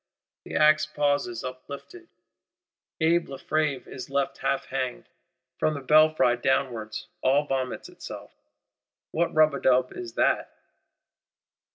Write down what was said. The axe pauses uplifted; Abbé Lefevre is left half hanged; from the belfry downwards all vomits itself. What rub a dub is that?